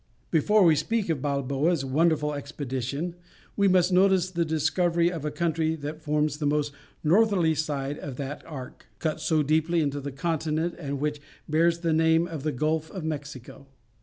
Before we speak of Balboa's wonderful expedition, we must notice the discovery of a country that forms the most northerly side of that arc, cut so deeply into the continent, and which bears the name of the Gulf of Mexico.